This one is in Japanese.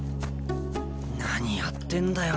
何やってんだよ